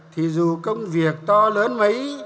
thì dù công việc to lớn mấy